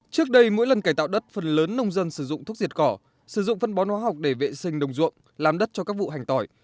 trước đây mỗi lần cải tạo đất phần lớn nông dân sử dụng thuốc diệt cỏ sử dụng phân bón hóa học để vệ sinh đồng ruộng làm đất cho các vụ hành tỏi